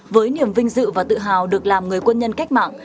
với niềm vinh dự và tự hào được làm người quân nhân cách mạng